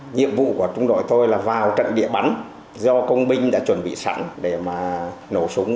nhiệm vụ của chúng tôi là vào trận địa bắn do công binh đã chuẩn bị sẵn để mà nổ súng